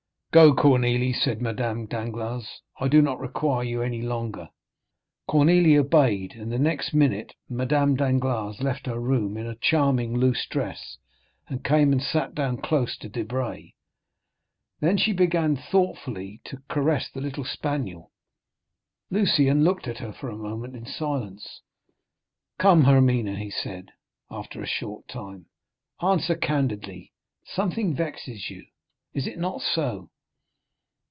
"Go, Cornélie," said Madame Danglars, "I do not require you any longer." Cornélie obeyed, and the next minute Madame Danglars left her room in a charming loose dress, and came and sat down close to Debray. Then she began thoughtfully to caress the little spaniel. Lucien looked at her for a moment in silence. "Come, Hermine," he said, after a short time, "answer candidly,—something vexes you—is it not so?"